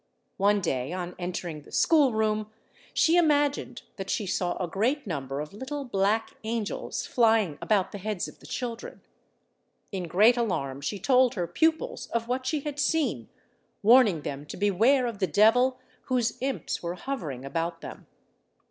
One day, on entering the schoolroom, she imagined that she saw a great number of little black angels flying about the heads of the children. In great alarm she told her pupils of what she had seen, warning them to beware of the devil whose imps were hovering about them.